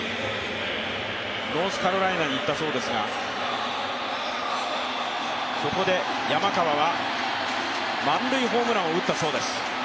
ノースカロライナに行ったそうですが、そこで山川は満塁ホームランを打ったそうです。